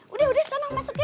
udah udah seneng masuk ya